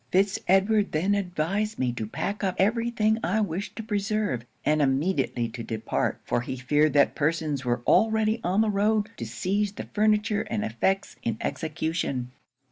'Fitz Edward then advised me to pack up every thing I wished to preserve, and immediately to depart; for he feared that persons were already on the road to seize the furniture and effects in execution.